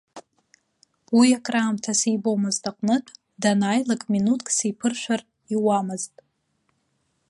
Уи акраамҭа сибомызт аҟнытә, данааилак минуҭк сиԥыршәар иуамызт.